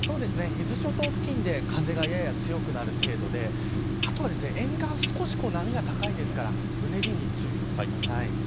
伊豆諸島付近で風がやや強くなる程度であとは沿岸少し波が高いですからうねりに注意をしてください。